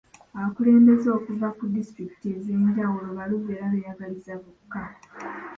Abakulembeze okuva ku disitulikiti ez'enjawulo baluvu era beeyagaliza bokka.